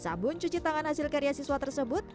sabun cuci tangan hasil karya siswa tersebut